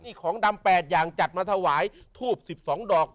นี่ของดำ๘อย่างจัดมาถวายทูบ๑๒ดอก